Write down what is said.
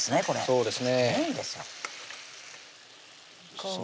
そうですね